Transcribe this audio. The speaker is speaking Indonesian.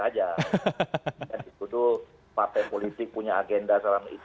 dan itu partai politik punya agenda selama itu